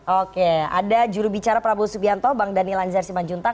oke ada juru bicara prabowo subianto bang daniel anjar siman juntak